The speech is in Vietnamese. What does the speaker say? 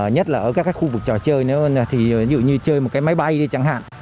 nhất là ở các khu vực trò chơi nếu như chơi một cái máy bay đi chẳng hạn